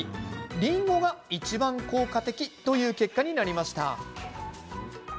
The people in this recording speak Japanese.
りんごが、いちばん効果的という結果になりました。